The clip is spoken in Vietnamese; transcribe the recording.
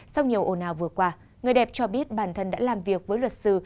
sau nhiều ồn ào vừa qua người đẹp cho biết bản thân đã làm việc với luật sư